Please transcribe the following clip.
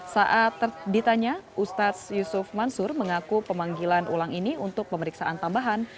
saat ditanya ustadz yusuf mansur mengaku pemanggilan ulang ini untuk pemeriksaan tambahan